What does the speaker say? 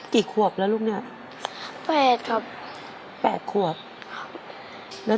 กี่ขวบแล้วลูกเนี้ยแปดครับแปดขวบครับแล้ว